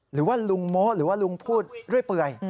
หรือว่าลุงโม้หรือว่าลุงพูดเรื่อยเปื่อย